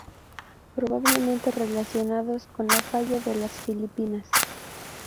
Probablemente relacionados con la falla de las Filipinas.